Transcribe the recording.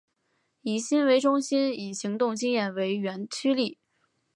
以心为中心以行动经验为原驱力。